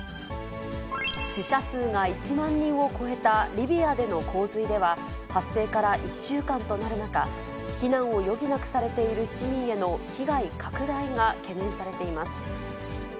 死者数が１万人を超えたリビアでの洪水では、発生から１週間となる中、避難を余儀なくされている市民への被害拡大が懸念されています。